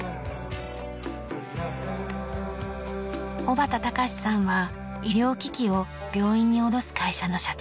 小畑貴志さんは医療機器を病院に卸す会社の社長。